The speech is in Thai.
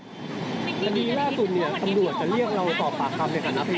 สักครู่นี้ฝ่านสมมุทย์